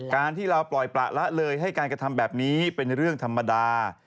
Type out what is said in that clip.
การที่เราปล่อยประละเลยให้การกระทำแบบนี้เป็นเรื่องธรรมดา